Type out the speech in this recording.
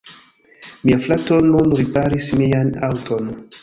Mia frato nun riparis mian aŭton.